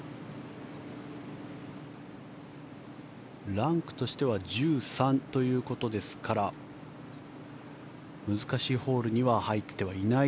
ランクとしては１３ということですから難しいホールには入っていない